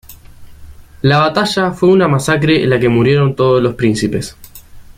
La batalla fue una masacre en la que murieron todos los príncipes.